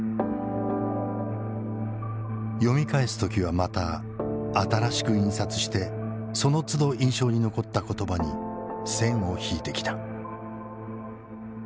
読み返す時はまた新しく印刷してそのつど印象に残った言葉に線を引いてきた。